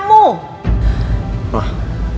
ma mulai sekarang